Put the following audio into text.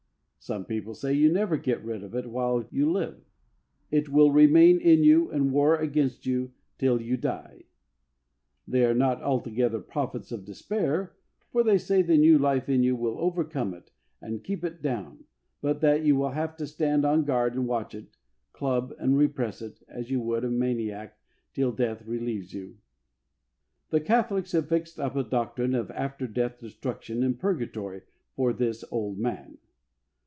Some people say you never get rid of it while you live. It will remain in you and war against you till you die. They are not altogether prophets of despair, for they say the new life in you will overcome it and keep it down, but that you will have to stand on guard and watch it, club and repress it, as you would a maniac, till death relieves you. 4 HEART TALKS ON HOLINESS. The Catholics have fixed up a doctrine of after death destruction in purgatory for this "old man."